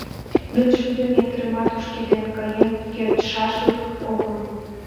Вет шӱдӧ метрымат ошкеден каен кертшашлык огыл!